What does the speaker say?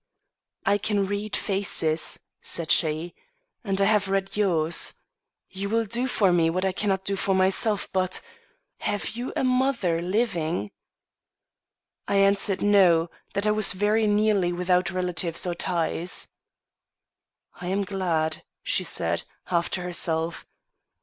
"I can read faces," said she, "and I have read yours. You will do for me what I cannot do for myself, but Have you a mother living?" I answered no; that I was very nearly without relatives or ties. "I am glad," she said, half to herself.